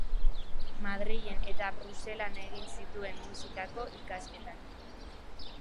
Madrilen eta Bruselan egin zituen Musikako ikasketak.